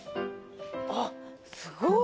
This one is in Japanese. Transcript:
あっすごい！